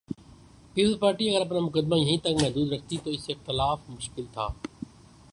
Peoples Party اگر اپنا مقدمہ یہیں تک محدود رکھتی تو اس سے اختلاف مشکل تھا۔